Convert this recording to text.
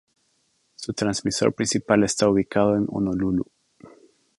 Su transmisor principal está ubicado en Honolulu.